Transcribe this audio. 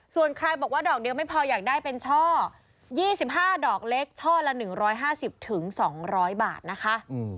ส่วนใครบอกว่าดอกเดียวไม่พออยากได้เป็นช่อ๒๕ดอกเล็กช่อละ๑๕๐๒๐๐บาทนะคะ